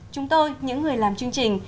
chúng tôi những người làm chương trình